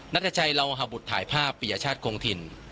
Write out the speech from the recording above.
นัทยาจัยเราหบุตรถ่ายภาพปิยชาติโครงถิ่น